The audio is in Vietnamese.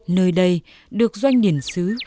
nơi đây được doanh điển sứ